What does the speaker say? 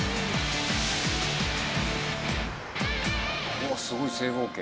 うわっすごい正方形。